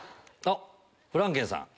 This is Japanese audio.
フランケンさん。